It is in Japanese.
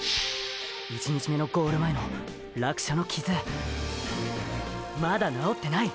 １日目のゴール前の落車のキズまだ治ってない。